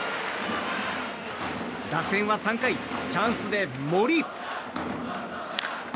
打線は３回、チャンスで森。